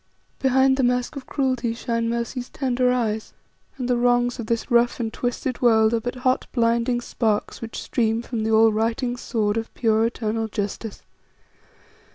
Behind the mask of cruelty shine Mercy's tender eyes; and the wrongs of this rough and twisted world are but hot, blinding sparks which stream from the all righting sword of pure, eternal Justice.